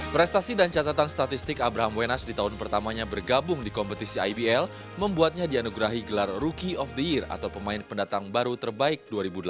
prestasi dan catatan statistik abraham wenas di tahun pertamanya bergabung di kompetisi ibl membuatnya dianugerahi gelar rookie of the year atau pemain pendatang baru terbaik dua ribu delapan belas